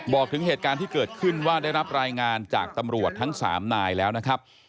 บอกถึงเหตุการณ์ที่เกิดขึ้นว่าได้รับรายงานจากตำรวจทั้ง๓นายแล้วนะครับ